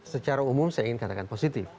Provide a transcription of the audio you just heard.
secara umum saya ingin katakan positif